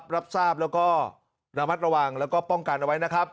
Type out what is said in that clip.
รับทราบแล้วก็ระมัดระวังแล้วก็ป้องกันเอาไว้นะครับ